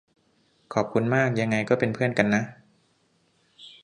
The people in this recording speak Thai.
ขอบคุณมาก ยังไงก็เป็นเพื่อนกันนะ